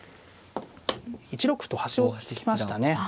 １六歩と端を突きましたね。